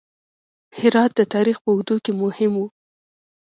هرات د تاریخ په اوږدو کې مهم و